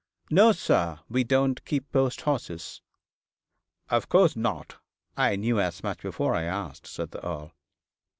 'No, sir. We don't keep post horses.' 'Of course not. I knew as much before I asked,' said the Earl.